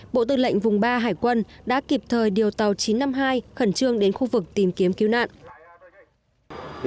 bộ tư lệnh vùng ba hải quân đã kịp thời điều tàu chín trăm năm mươi hai khẩn trương đến khu vực tìm kiếm cứu nạn